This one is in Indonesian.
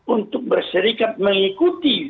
untuk bersyarikat mengikuti